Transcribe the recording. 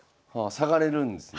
下がれるんですね。